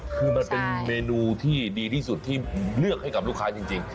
คือมันเป็นเมนูที่ดีที่สุดที่เลือกให้กับลูกค้าจริง